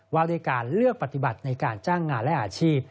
ว่าด้วยการเลือกปฏิบัติในการจ้างงานและอาชีพ